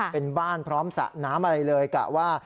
เป็นบ้านพร้อมสะน้ำได้เลยกับว่า